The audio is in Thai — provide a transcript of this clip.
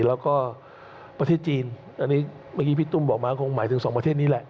แล้วก็ประเทศจีนอันนี้เมื่อกี้พี่ตุ้มบอกมาคงหมายถึงสองประเทศนี้แหละ